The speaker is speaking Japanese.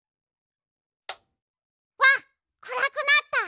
わっくらくなった！